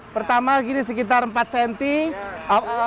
pertama gini sekitar empat cm